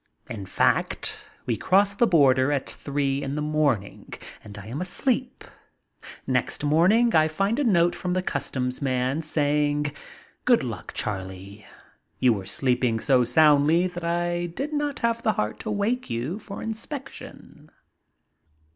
In fact, we cross the border at three in the morning and I am asleep. Next morning I find a note from the customs man saying :'' Good luck, Charlie. You were sleeping so soundly that I did not have the heart to wake you for inspection."